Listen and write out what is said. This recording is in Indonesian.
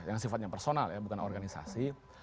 yang sifatnya personal ya bukan organisasi